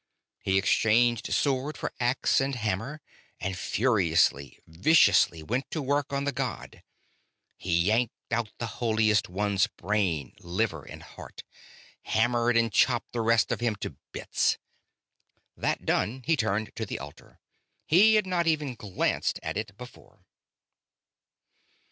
He exchanged sword for axe and hammer, and furiously, viciously, went to work on the god. He yanked out the Holiest One's brain, liver, and heart; hammered and chopped the rest of him to bits. That done, he turned to the altar he had not even glanced at it before.